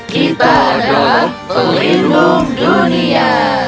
kita adalah pelindung dunia